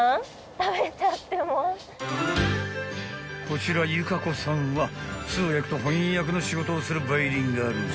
［こちら裕賀子さんは通訳と翻訳の仕事をするバイリンガル］